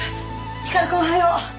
光くんおはよう。